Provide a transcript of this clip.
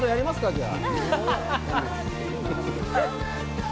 じゃあ。